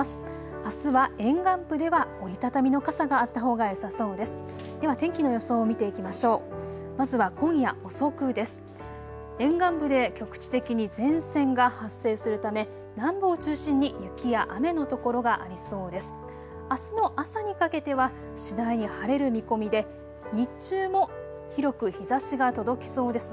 あすは沿岸部では折り畳みの傘があったほうがよさそうです。